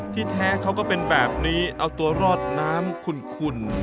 แท้เขาก็เป็นแบบนี้เอาตัวรอดน้ำขุ่น